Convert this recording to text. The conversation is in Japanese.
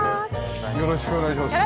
よろしくお願いします。